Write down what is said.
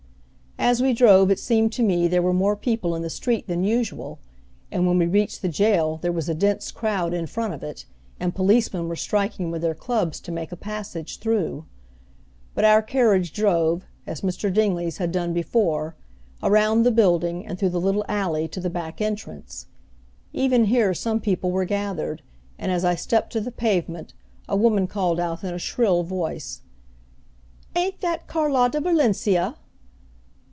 As we drove it seemed to me there were more people in the street than usual; and when we reached the jail there was a dense crowd in front of it, and policemen were striking with their clubs to make a passage through. But our carriage drove, as Mr. Dingley's had done before, around the building and through the little alley to the back entrance. Even here some people were gathered; and as I stepped to the pavement a woman called out in a shrill voice, "Ain't that Carlotta Valencia?"